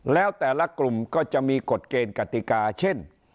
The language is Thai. แล้วแต่ละกลุ่มก็จะมีกฎเกณฑ์กติกาเช่น